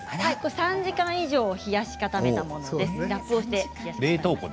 ３時間以上冷やし固めたものです。